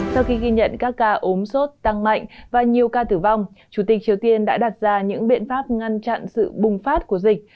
sau khi ghi nhận các ca ốm sốt tăng mạnh và nhiều ca tử vong chủ tịch triều tiên đã đặt ra những biện pháp ngăn chặn sự bùng phát của dịch